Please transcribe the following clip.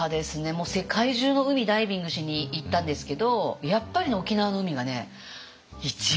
もう世界中の海ダイビングしに行ったんですけどやっぱり沖縄の海がね一番好き。